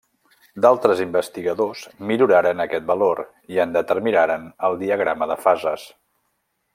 D'altres investigadors milloraren aquest valor i en determinaren el diagrama de fases.